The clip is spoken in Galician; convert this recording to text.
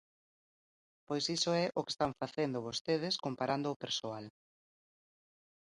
Pois iso é o que están facendo vostedes comparando o persoal.